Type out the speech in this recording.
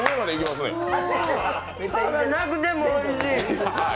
歯がなくてもおいしい。